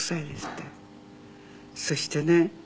そしてね